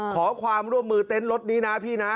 ขอความร่วมมือเต็นต์รถนี้นะพี่นะ